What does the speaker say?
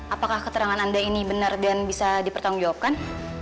apakah keterangan anda ini benar dan bisa dipertanggungjawabkan